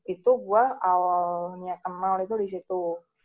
itu gue awalnya kenal itu disitu